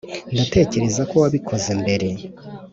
ndatekereza ko wabikoze mbere.